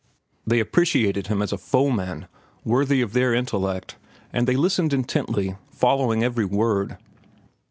They appreciated him as a foeman worthy of their intellect, and they listened intently, following every word.